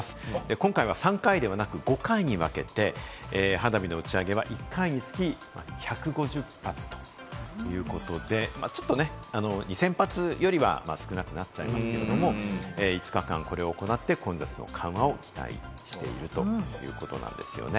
今回は３回ではなく、５回に分けて花火の打ち上げは一回につき１５０発ということで、２０００発よりは少なくなっちゃいますけれども、５日間、これを行って混雑の緩和をしたい、期待しているということなんです。